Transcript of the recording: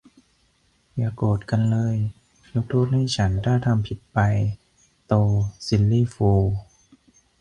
"อย่าโกรธกันเลย ยกโทษให้ฉันถ้าทำผิดไป" - โต ซิลลี่ฟูล